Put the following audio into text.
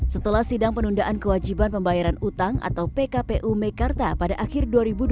setelah sidang penundaan kewajiban pembayaran utang atau pkpu mekarta pada akhir dua ribu dua puluh